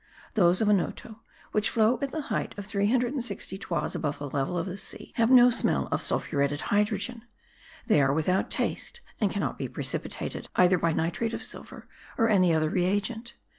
Those of Onoto, which flow at the height of 360 toises above the level of the sea, have no smell of sulphuretted hydrogen; they are without taste, and cannot be precipitated, either by nitrate of silver or any other re agent.